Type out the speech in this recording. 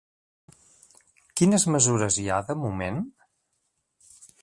Quines mesures hi ha de moment?